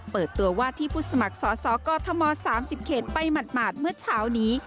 เปิดตัวว่าที่ผู้สมัครสอสอกอทม๓๐เขตไปหมาดเมื่อเช้านี้